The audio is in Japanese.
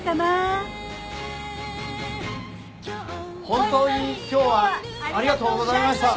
本当に今日はありがとうございました。